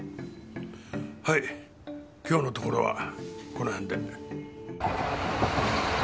はい今日のところはこの辺で。